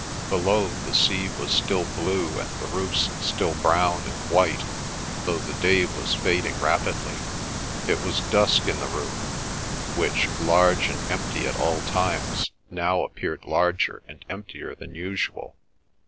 Below, the sea was still blue and the roofs still brown and white, though the day was fading rapidly. It was dusk in the room, which, large and empty at all times, now appeared larger and emptier than usual.